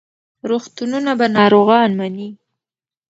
روغتونونه به ناروغان مني.